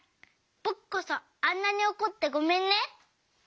ぼくこそあんなにおこってごめんね。